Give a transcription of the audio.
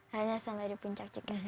hanya sampai di puncak kita